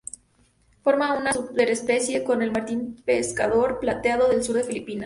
Forma una superespecie con el martín pescador plateado del sur de Filipinas.